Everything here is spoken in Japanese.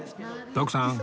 徳さん